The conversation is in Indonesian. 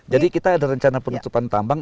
jadi kita ada rencana penutupan tambang